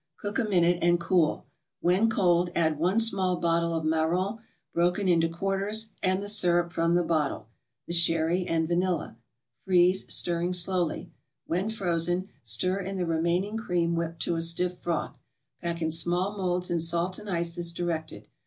Cook a minute, and cool. When cold, add one small bottle of marrons broken into quarters and the syrup from the bottle, the sherry and vanilla. Freeze, stirring slowly. When frozen, stir in the remaining cream whipped to a stiff froth. Pack in small molds in salt and ice as directed.